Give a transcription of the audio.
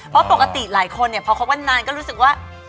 เพราะปกติหลายคนเนี่ยพอคบกันนานก็รู้สึกว่า